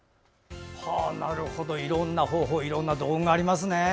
なるほど、いろいろな方法いろんな道具がありますね。